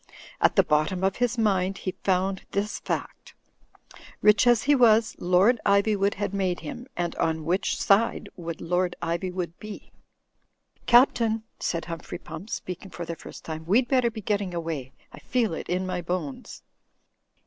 At the bottom of his mind he found this fact: rich as he was, Lord Ivywood had made him — ^and on which side would Lord Ivywood be? "Captain," said Humphrey Pump, speaking for the first time, "we'd better be getting away. I feel it in my bones."